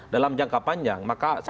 dalam jangka panjang